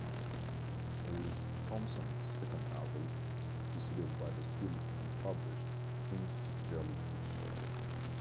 It is Thompson's second novel, preceded by the still-unpublished "Prince Jellyfish".